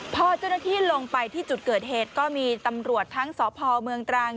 พอเจ้าหน้าที่ลงไปที่จุดเกิดเหตุก็มีตำรวจทั้งสพเมืองตรัง